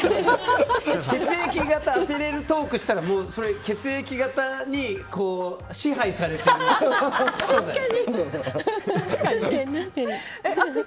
血液型当てれるトークしたらそれ、血液型に支配されてる人だよ。